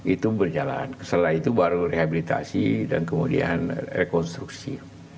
itu berjalan setelah itu baru rehabilitasi dan kemudian rekonstruksi